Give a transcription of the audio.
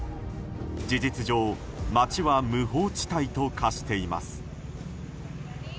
事実上、街は無法地帯と化しています。